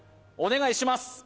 お願いします